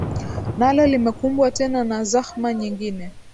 nalo limekumbwa tena na zahma nyingine